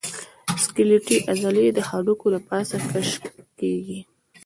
سکلیټي عضلې د هډوکو د پاسه کش کېږي.